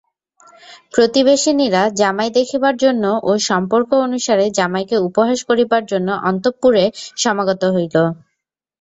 প্রতিবেশিনীরা জামাই দেখিবার জন্য ও সম্পর্ক অনুসারে জামাইকে উপহাস করিবার জন্য অন্তঃপুরে সমাগত হইল।